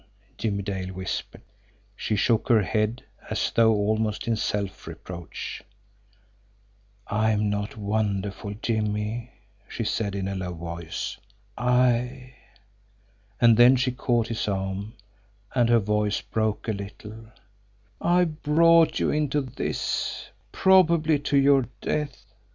Jimmie Dale whispered. She shook her head as though almost in self reproach. "I am not wonderful, Jimmie," she said, in a low voice. "I" and then she caught his arm, and her voice broke a little "I've brought you into this probably to your death.